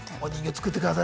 作ってくださる。